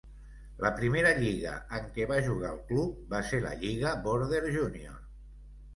La primera lliga en què va jugar el club va ser la Lliga Border Junior.